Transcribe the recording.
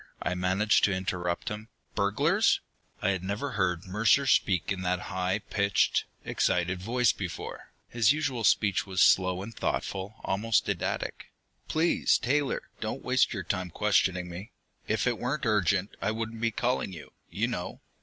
I managed to interrupt him. "Burglars?" I had never heard Mercer speak in that high pitched, excited voice before; his usual speech was slow and thoughtful, almost didactic. "Please, Taylor, don't waste time questioning me. If it weren't urgent, I wouldn't be calling you, you know.